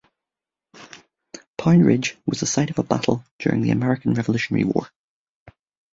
Pound Ridge was the site of a battle during the American Revolutionary War.